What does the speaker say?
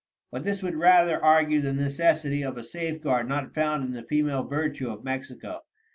But this would rather argue the necessity of a safeguard not found in the female virtue of Mexico.